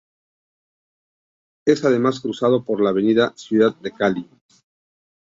Es además cruzado por la Avenida Ciudad de Cali.